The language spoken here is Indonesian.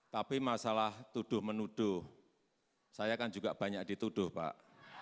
tapi masalah tuduh menuduh saya kan juga banyak dituduh pak